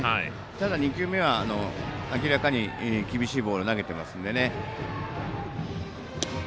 ただ、２球目は明らかに厳しいボール投げてますのでね。